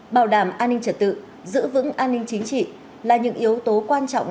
bảo đảm an ninh trật tự giữ vững an ninh chính trị là những yếu tố quan trọng